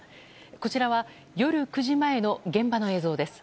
こちらは夜９時前の現場の映像です。